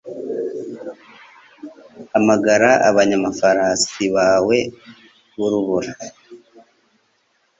Hamagara abanyamafarasi bawe b'urubura